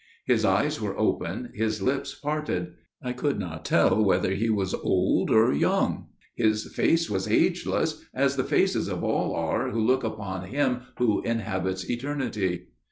His eyes were open, his lips parted. I could not tell whether he was old or young. His face was ageless, as the faces of all are who look upon Him who inhabits eternity.